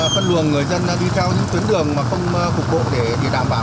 phân luồng người dân đi theo những tuyến đường mà không cục bộ để đảm bảo